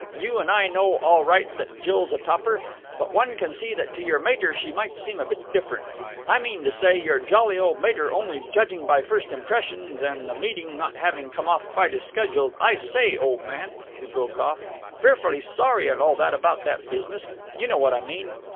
You and I know all right that Jill's a topper. But one can see that to your mater she might seem a bit different. I mean to say, your jolly old mater only judging by first impressions, and the meeting not having come off quite as scheduled.... I say, old man," he broke off, "fearfully sorry and all that about that business. You know what I mean!